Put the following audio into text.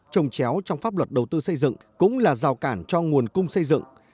trồng chéo trong pháp luật đầu tư xây dựng cũng là rào cản cho nguồn cung xây dựng